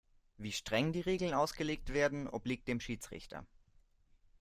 Wie streng die Regeln ausgelegt werden, obliegt dem Schiedsrichter.